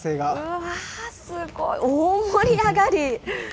うわー、すごい、大盛り上がり。